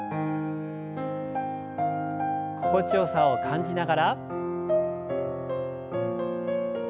心地よさを感じながら。